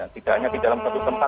tidak hanya di dalam satu tempat